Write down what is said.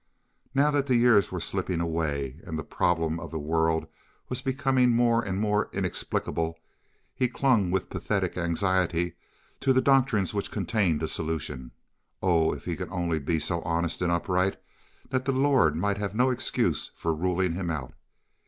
Now that the years were slipping away and the problem of the world was becoming more and more inexplicable, he clung with pathetic anxiety to the doctrines which contained a solution. Oh, if he could only be so honest and upright that the Lord might have no excuse for ruling him out.